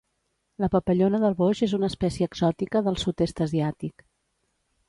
La papallona del boix és una espècie exòtica del sud-est asiàtic.